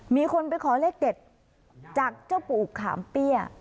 มีคนไปขอเลขเด็ดจากเจ้าปู่ขามเปี้ย